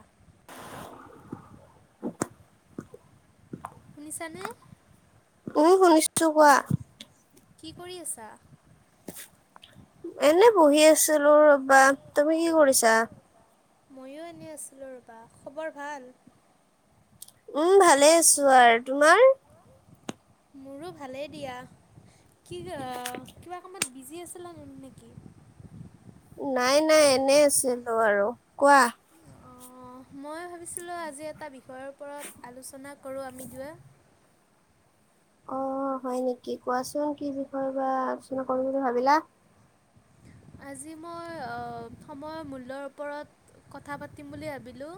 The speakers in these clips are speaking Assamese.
অহ। শুনিছানে? উম, শুনিছো কোৱা। কি কৰি আছা। এনে বহি আছিলো ৰবা, তুমি কি কৰিছা। ময়ো এনে আছিলো ৰ'বা খবৰ ভাল। উম, ভালে আছো আৰু তোমাৰ। মোৰো ভালেই দিয়া। কি কিবা কামত বিজি আছিলা নেকি? নাই নাই এনে আছিলো আৰু কোৱা। অঁ মই ভাবিছিলো আজি এটা বিষয়ৰ ওপৰত আলোচনা কৰো আমি দুয়ো এ। অ, হয় নেকি? কোৱাচোন কি বিষয়ে বা আলোচনা কৰো বুলি ভাবিলা। আজি মই সময়ৰ মূল্যৰ ওপৰত কথা পাতিম বুলি ভাবিলোঁ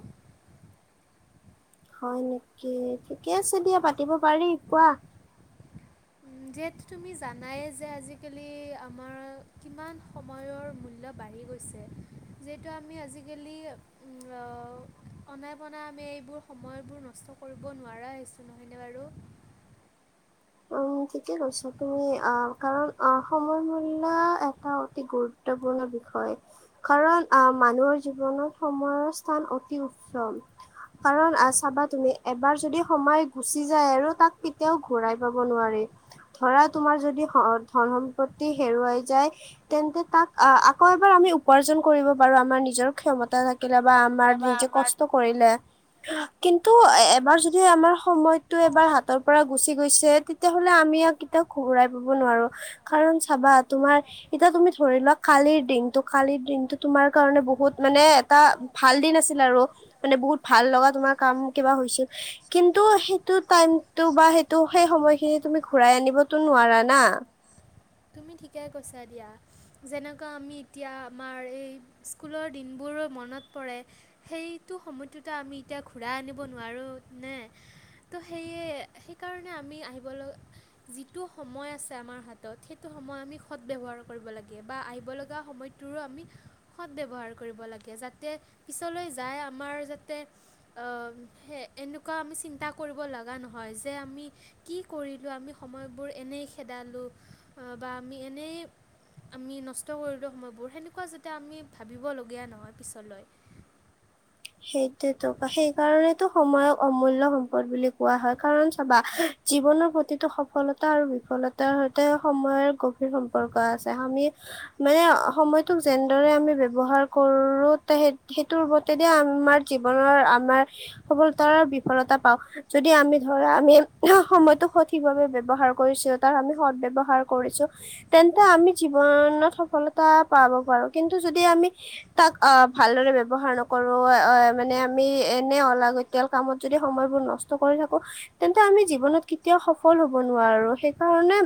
হয় নেকি ঠিকে আছে দিয়া পাতিব পাৰি কোৱা যিহেতু তুমি জানাই যে আজিকালি আমাৰ কিমান সময়ৰ মূল্য বান আহ়ি গৈছে যিহেতু আমি আজিকালি অনাই বনাই আমি এইবোৰ সময়বোৰ নষ্ট কৰিব নোৱাৰাহৈছো নহয়নে বাৰু উম ঠিকে কৈছা তুমি অ কাৰণ অ সময় মূল্য এটা অতি গুৰুত্বপূৰ্ণ বিয় হয় কাৰণ আহ মানুহৰ জীৱনত সময়ৰ স্থান অতি উত্তম কাৰণ চাবা তুমি এবাৰ যদি সময় গুচি যায় আৰু তাক কেতিয়াও ঘূৰাই ধৰা তোমাৰ যদি ধন সম্পত্তি হেৰুৱাই যায় তেন্তে ত আকৌ এবাৰ আমি উপাৰ্জন কৰিব পাৰো আমাৰ নিজৰ ক্ষমতা থাক থ বা আমাৰ কেতিয়াবা নিজে আমাৰ কষ্ট কৰিলে কিন্তু এবাৰ যদি আমাৰ সময়তটো এবাৰ সময়ত হাতৰ পৰা গুচি গৈছে সতেতিয়াহলে আমি ইয়াক কতিয়া ঘৰাই পাব নোৱাৰো কাৰণ চাবা তোমাৰ এতিয়া তুমি ধৰি লোৱাক কালিৰ দিনটো কালিৰ দিনটো তোমাৰ কাৰণে বহুত মানে এটা ভাল দিন আছিল আৰু মানে বহুত ভাল লগা তোমাৰ কাম কিবা হৈছিল কিন্তু সেইটো টাইম বা স ত সেই সময়খিনি তুমি ঘূৰাই আনিবতো নোৱাৰা না [unintelligible] সেইটো সময়টোত আমি এতিয়া ঘূৰাই আনিব নোৱাৰো নে ত' সেয়ে সেইকাৰণে আমি আহিবলৈ যিটো সময় আছে আমাৰ হাতত সেইটো সময় আমি সৎ ব্যৱহাৰ কৰিব লাগে বা আহিবলগা সময়টোৰো আমি সৎ ব্যৱহাৰ কৰিব লাগে যাতে পিছলৈ যায় আমাৰ যাতে এনেকুৱা আমি চিন্তা কৰ কৰিব লগা নহয় যে আম কি কৰিলো আমি সময়বোৰ এনেই খেদালো বা আমি এনেই আমি নষ্ট কৰিলোঁ সময়বোৰ সেনেকুৱা যাতে আমি ভাবিবলগীয়া নহয় পিছলৈ [unintelligible] সেইটোতো সেইকাৰণেতটো সময়ক অমূল্য় সম্পদ বুলি কোৱা হয় কাৰণ চাবা জীৱনৰ প্ৰতিটো সফলতা আৰু বিফলতাৰ সৈতে সময়ৰ গভীৰ সম্পৰ্ক আছে আমি মানে সময়টোক যেনেদৰে আমি ব্যৱহাৰ কৰো [unintelligible] আমাৰ জীৱনৰ আমাৰ সফলতাৰ বিফলতা পাও যদি আমি ধৰা আমি সময়তো সঠিকভাৱে ব্যৱহাৰ কৰিছো তাৰ আমি সদ ব্যৱহাৰ কৰিছো তেন্তে আমি জীৱ [unintelligible] সফলতা পাব পাৰো কিন্তু যদি আমি তাক আহ ভালদৰে ব্যৱহাৰ নক কৰো অ মানে আমি এনে অলাগতিয়াল কামত যদি সময়বোৰ নষ্ট কৰি থাকো তেন্তে আমি জীৱনত কেতিয়াও সফল হ'ব নোৱাৰো, সেইকাৰণে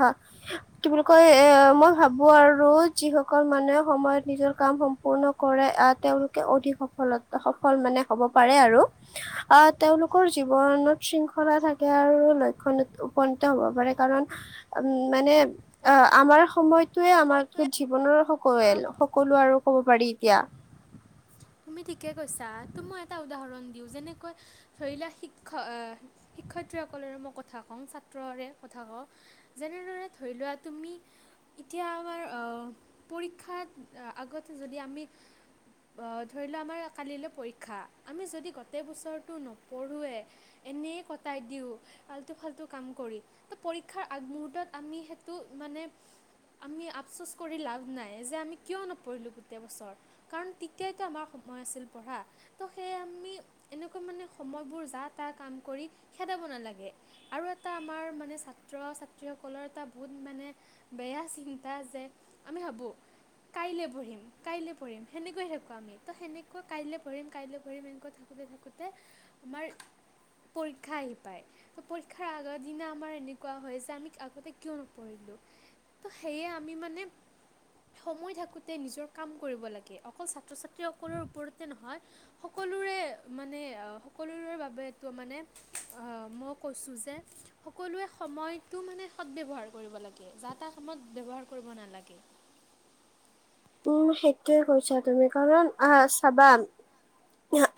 হা কি বুলি কয় মই ভাবো আৰু যিসকল মানুহে সময়ত নিজৰ কাম সম্পূৰ্ণ কৰে আহ তেওঁলোক অধিক সফলতা সফল মানে হ'ব পাৰে আৰু আহ তেওঁলোকৰ জীৱনত শৃংখ লা থাকে আৰু লক্ষ্য উপনীত হ'ব পাৰে কাৰণ উম মানে আ আমা আমাৰ সময়তোৱে আমাৰ সময়টোৱে জীৱনৰ সকলো আৰু কব পাৰি এতিয়া তুমি ঠিকে কৈছা তু মই এটা উদাহৰণ দিও যেনেকৈ ধৰিলোৱা শিক্ষক আহ শিক্ষয়িত্ৰীসকলৰে মই কথা কওঁ ছাত্ৰৰে কথা কওঁ যেনেদৰে ধৰি লোৱা তুমি এতিয়া আমাৰ আ পৰীক্ষাত আগতে যদি আমি আহ ধৰি লোৱা আমাৰ কালিলৈ পৰীক্ষা আমি যদি গোটেই বছৰটো নপঢ়োৱে এনেই কটা দিওঁ আলটু ফালটু কাম কৰি ত পৰীক্ষাৰ আগমহূৰ্তত আমি সেইটো মানে আমি আপচোচ কৰি লাভ নাই যে আমি কিয় নপঢ়িলো গোটেই বছৰ কাৰণ তেতিয়াইটো আমাৰ সময় আছিল পঢ়া ত' সেইয়ে আমি এনেকুৱা মানে সময়বোৰ যাতা কাম কৰি খেদা [unintelligible] নালাগে আৰু এটা আমাৰ মানে ছাত্ৰ-ছাত্ৰীসকলৰ এটা বহুত মানে বেয়া চিন্তা যে আমি ভাবোঁ কাইলৈ পঢ়িম কাইলৈ পঢ়িম সেনেকৈয়ে শিকোঁ আমি তো সেনেকৈ কাইলৈ পঢ়িম -কাইলৈ পঢ়িম এনেকৈ থাকোঁতে-থাকোঁতে আমাৰ পৰীক্ষা আহি পাই ত' পৰীক্ষাৰ আগৰ দিনা আমাৰ এনেকুৱা হয় যে আমি আগতে কিয় নপঢ়িলো। ত' সেয়ে আমি মানে সময় থাকোতে নিজৰ কাম কৰিব লাগে অকল ছাত্ৰ-ছাত ছাত্ৰ-ছাত্ৰী সকলৰ ওপৰতে নহয় সকলোৰে মানে সকলোৰে বাবেটো মানে অ, মই কৈছোঁ যে সকলোৱে সময়টো মানে সদব্যৱহাৰ কৰিব লাগে যাতা [unintelligible] ব্যৱহাৰ কৰিব নালাগে। উম, সেইটোয়ে কৈছা তুমি কাৰণ আহ, চাবা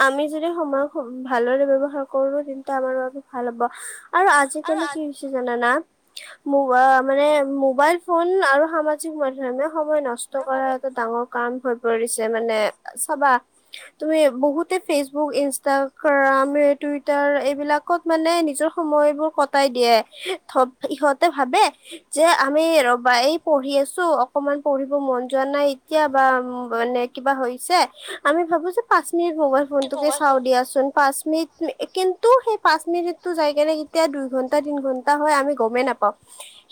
আমি যদি সময় ভালদৰে ব্যৱহাৰ কৰো তেন্তে আমাৰ বাবে ভাল হ'ব। আৰু আৰু আজিকালি কি হৈছে জানানা মু অ, মানে মোবাইল ফোন আৰু সামাজিক মাধ্যমে সময় নষ্ট আজিৰ সময়ত কৰা এটা ডাঙৰ কাম হয় পৰিছে মানে চাবা তুমি বহুতে ফেচবুক, ইনষ্টাগ্ৰা গ্ৰামে, টুইটাৰ এইবিলাকত মানে নিজৰ সময়বোৰ কটায় দিয়ে থব ইহঁতে ভাবে যে আমি ৰবা এই পঢ়ি আছো অকমান পঢ়িব মন যোৱা নাই এতিয়া বা মানে কিবা হৈছে আমি ভাবো যে পাঁচ মিনিট মোবাইল ফোনটোকে মোবাইল চাওঁ ফোনটোতে দিয়াচোন পাঁচ মিনিট কিন্তু সেই পাঁচ মিনিটটো যাই কেনে কেতিয়া দুই ঘন্টা, তিন ঘন্টা হয় আমি গমেই নাপাওঁ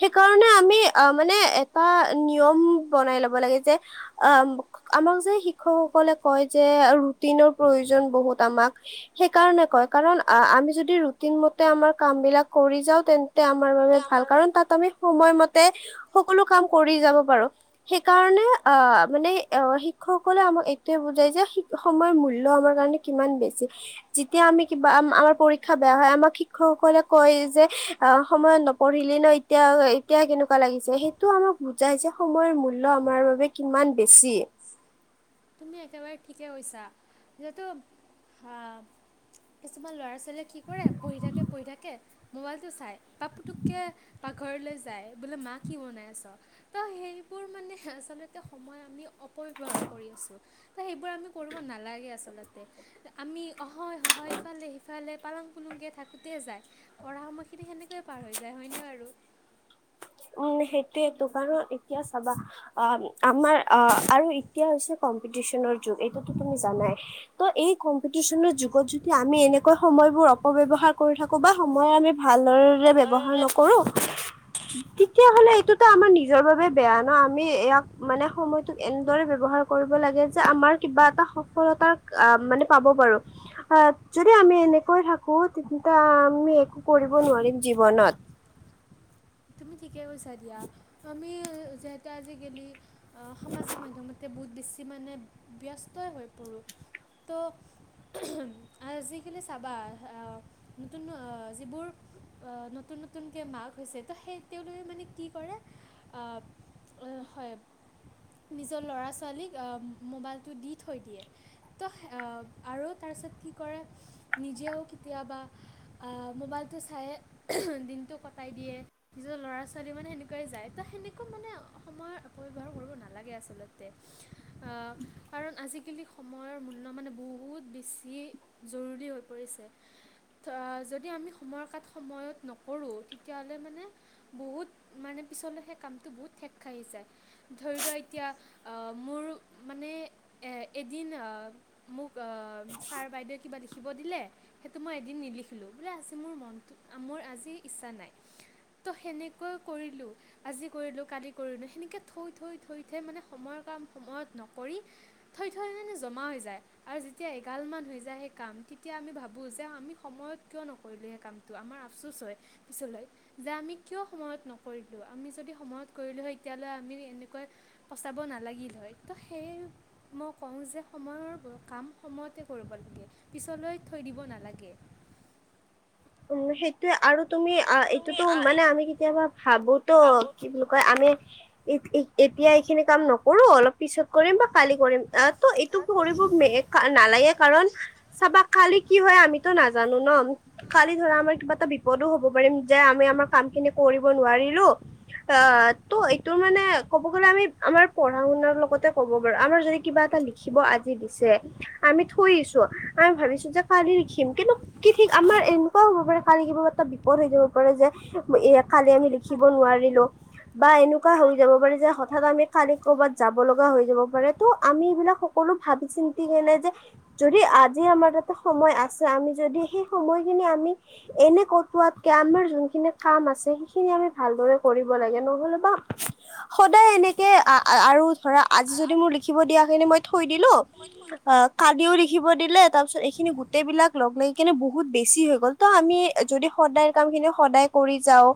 সেইকাৰণে সেইকাৰণে আমি অ, মানে এটা নিয়ম বনাই ল'ব [unintelligible] লাগে যে [unintelligible] আমাক যে শিক্ষকসকলে কয় যে ৰুটিনৰ প্ৰয়োজন বহুত বহুত আমাক সেইকাৰণে কয় কাৰণ আমি যদি ৰুটিন মতে আমাৰ কাম বিলাক কৰি যাওঁ তেন তে আমাৰ বাবে ভাল আমাৰ কাৰণ তাত আমি সময়মতে সকলো কাম কৰি যাব পাৰো সেই সেই কাৰণে অ, মানে অ, শিক্ষকসকলে আমাক এইটোয়ে বুজাই যে সময়ৰ মূল্য আমাৰ কাৰণে কিমান বেছি যেতিয়া আমি কিবা আমাৰ পৰীক্ষা বেয়া হয় আমাক শিক্ষকসকলে কয় যে অ সময়ত নপঢ়িলি ন এতিয়া এতিয়া কেনেকুৱা লাগিছে সেইটো আমাক বুজাইছে সময়ৰ মূল্য মূল্য আমাৰ বাবে কিমান বেছি তুমি একেবাৰে ঠিকে কৈছা যিহেতু আহ কিছুমান ল'ৰা ছোৱালীয়ে কি কৰে পঢ়ি থাকে পঢ়ি থাকে মোবাইল টো চাই বা পুতোককে পাকঘৰলৈ যায় বোলে মা কি বনাই আছে তহ সেইবোৰ মানে আচলতে সময় আমি অপব্যৱহাৰক কৰি আছো তহ সেইবোৰ আমি কৰিব নালাগে আচলতে আমি অহয় সহয় ইফালে সি সিফালে পালাং পুলুংকে থাকোঁতে যায় পঢ়া সময়খিনি সেনেকৈয়ে পাৰ হৈ যায় হয়নে বাৰু উম সেইটোৱেটো কাৰণ এতিয়া চাবা আ আমাৰ আ আৰু এতিয়া হৈছে কম্পিটিচন যোগ এইটো তুমি জানাই, ত এই কম্পিটিচনৰ যোগত যদি আমি এনেকৈ সময়বোৰ অ অবৱ্যহাৰ কৰি থাকো বা সময় আমি ভালদৰে ভালদৰে ব্যৱহাৰ নকৰো। তেয়া হ'লে এইটোতো আমাৰ নিজৰ বাবে বেয়া ন আমি ইয়াক মানে সময়টোক এনেদৰে ব্যৱহাৰ কৰিব লাগে। যে আমাৰ কিবা এটা সফলতা মানে পাব পাৰো আহ যদি আমি এনেকৈ থাকো। আমি একো কৰিব নোৱাৰিম জীৱনত। আমি ঠিকে পইচা দা আমি যতে আজি গেলে। সামাজিক মাধ্যমতে বহুত বেছি মানে ব্যস্তই হৈ পৰো তো যিখিনি চাবা আহ, নতুন যিবোৰ। অ, নতুন নতুনকে মাক হৈছে ত' সেই। তেওঁলোকে মানে কি কৰে হয়। নিজৰ ল'ৰা ছোৱালীক মোবাইলটো দি থৈ দিয়ে তো আৰু ত কি কৰে নিজেও কেতিয়াবা আ, মোবাইল চাই দিনটো কটাই দিয়ে। নিজৰ ল'ৰা ছোৱালী মানে সেনেকুৱাই যায় তো সেনেকুৱা মানে সময়ৰ অপব্যৱহাৰ কৰিব নালাগে আচলতে। কাৰণ আজিকালি সময়ৰ মূল্য মানে বহুত বেছি জৰুৰী। যদি আমি সময় কাত সময়ত নকৰো তেতিয়াহ'লে মানে। বহুত মানে পিছলৈ সেই কামটো বহুত থেক খাই আহি যায় ধৰি লোৱা এতিয়া আহ। মোৰ মানে এদিন মোক ছাৰ বাইদেউৱে কিবা লি দিব দিলে সেইটো মই এদিন নিলিখিলো বোলে আজি মোৰ মনটো মোৰ আজি ইচ্ছা নাই। ত' সেনেকৈ কৰিলো আজি কৰিলো কালি কৰিলো সেনেকে থৈ থৈ থৈ থৈ মানে সময়ৰ কাম সময়ত নকৰি থৈ থৈ মানে জমা হৈ যায় আৰু যেতিয়া এগাল মান হৈ যায় সেই কাম। তেতিয়া আমি ভাবো যে আমি সময়ত কিয় নকৰিলো সেই কামটো আমাৰ আফচোচ হয় পিছলৈ। যে আমি কিয় সময়ত নকৰিলো আমি যদি সময়ত কৰিলো হয় তেতিয়াহাললে আমি এনেকৈ পচাব নাল ভা লাগিলহৈ, ত সেয়াই আৰু মই কও যে সময়ৰ কাম সময়মতে কৰিব লাগে পিছলৈ থৈ দিব নালাগে। উ, সেইটয়ে আৰু। তুমি অ, তুমি এইটোতো মানে আমি কেতিয়াবা ভাবোতো ভাবো কি বুলি কয় আমি এতিয়া এইখিনি কাম নকৰো অলপ পিছত কৰিম বা কালি কৰিম আহ। ত এইটো কৰিব নালাগে কাৰণ চাবা খালি কি হয় আমিতো নাজানো ন। খালি ধৰা আমাৰ কিবা এটা বিপদো হব পাৰিম যে আমি আমাৰ কাম খিনি কৰিব নোৱাৰিলো অ, ত এইটো মানে ক'ব গলে আমি আমাৰ পঢ়া শুনাৰ লগতে ক'ব পাৰো আমাৰ যদি কিবা এটা লিখিব। আজি দিছে আমি থৈছো আমি ভাবিছো যে কালি লখিম কিন্তু কি ঠিক আমাৰ এনেকুৱাও হ'ব পাৰে কালি কিবা এটা বিপদ হৈ যাব পাৰে যে এ কালি আমি লিখিব নোৱাৰিলো বা এনেকুৱা হৈ যাব পাৰে যে হঠাৎ আমি কালি কৰ'বাত যাব লগা হৈ যাব পাৰে ত' আমি এইবিলাক সকলো ভাবি চিন্তি কেনে যে যদি আজি আমাৰ তাতে সময় আছে আমি যদি সেই সময় আমি এনে কটোৱাতকে আমাৰ যোনখিনি কাম আছে, সেইখিনি আমি ভাল দৰে কৰিব লাগে। নহ'লে বা- সদায় এনেকে আৰু ধৰা আজি যদি মোৰ লিখিব দিয়া খিনি মই থৈ দিলোঁ। মই থৈ কালিও লিখিব দিলে, তাৰ পিছত এইখিনি গোটেই বিলাক লগ লাগি কিনে বহুত- বেছি হৈ গ'ল, আমি যদি সদায় কাম খিনি সদায় কৰি যাও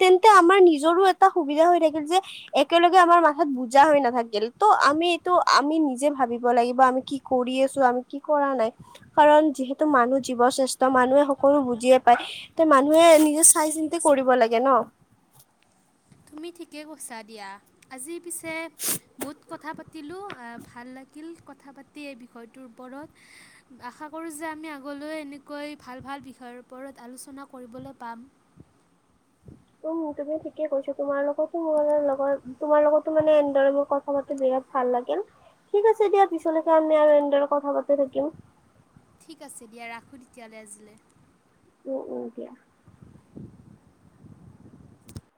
তেন্তে আমাৰ নিজৰ টা সুবিধা হৈ থাকিল যে, একেলগে আমাৰ মাথাত বুজা হৈ নাথাকিল, ত' আমি এইটো আমি নিজে- ভাবিব লাগিব, আমি কি কৰি আছোঁ, আমি কি কৰা নাই কাৰণ যিহেতু মানুহ জীৱ চে ত, মানুহে সকলো বুজিয়ে মানুহে পায়, তে মানুহে নিজে চাই চিন্তি সকলো কৰিব লাগে ন। [unintelligible] তুমি ঠিকে কৈছা দিয়া, আজি পিছে বহুত কথা পাতিলোঁ। ভাল লাগিল কথা পাতি এই বিষয়টোৰ ওপৰত, আশা কৰোঁ যে আমি আগলৈ এ- কেনেকৈ ভাল ভাল বিষয়ৰ ওপৰত আলোচনা কৰিবলৈ পাম। উম্, তুমি ঠিকে কৈছা, তোমাৰ লগতো মোৰ লগত তোমাৰ লগতো মানে এনেদৰে মোৰ কথা পাতি বেয়া- ভাল লাগিল, ঠিক আছে দিয়া, পিছলৈকে আমি আৰু এনেদৰে কথা পাতি থাকিম। ঠিক আছে দিয়া ৰাখোঁ তেতিয়াহলে আজিলৈ উ উ দিয়া